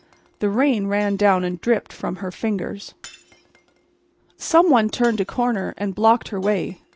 The rain ran down and dripped from her fingers. Some one turned a corner and blocked her way.